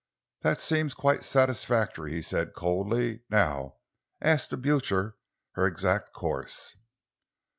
"That seems quite satisfactory," he said coldly. "Now ask the Blucher her exact course?"